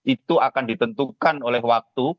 itu akan ditentukan oleh waktu